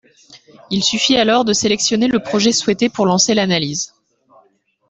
Il suffit alors de sélectionner le projet souhaité pour lancer l’analyse.